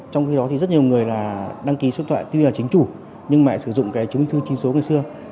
trong khi đó thì rất nhiều người là đăng ký số điện thoại tuy là chính chủ nhưng mà sử dụng cái chứng chứng chứng số ngày xưa